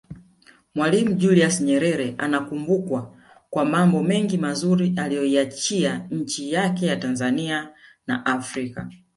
Mwalimu Julius Nyerere anakumbukwa kwa mambo mengi mazuri aliyoiachia nchi yake Tanzania na Afrika